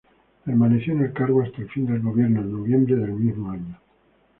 Permaneció en el cargo hasta el fin del gobierno, en noviembre del mismo año.